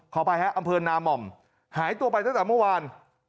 ไปฮะอำเภอนาม่อมหายตัวไปตั้งแต่เมื่อวาน